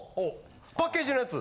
パッケージのやつ。